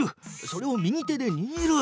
それを右手でにぎる。